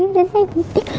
những cô gái vay lãi nặng